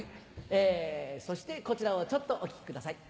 そしてこちらをちょっとお聴きください。